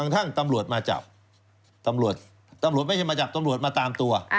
ทั้งตำรวจมาจับตำรวจตำรวจไม่ใช่มาจับตำรวจมาตามตัว